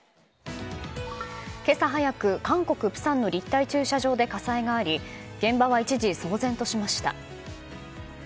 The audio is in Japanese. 今朝早く韓国・釜山の立体駐車場で火災があり現場は一時騒然としました。